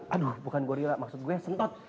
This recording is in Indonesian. aduh bukan gorilla maksud gue sentot